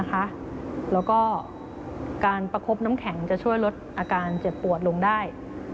แล้วก็การประคบน้ำแข็งจะช่วยลดอาการเจ็บปวดลงได้